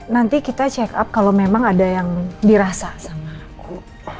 nanti kita check up kalau memang ada yang dirasa sama aku